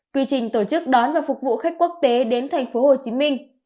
quy trình tổ chức đón và phục vụ khách quốc tế đến thành phố hồ chí minh